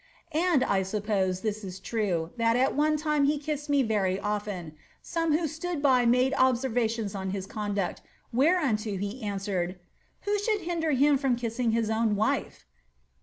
^And, I suppose, this is true, that at one time he kissed n often : some who stood by made observations on his conduct, unto he answered, ^Who should hinder him from kissing hi wife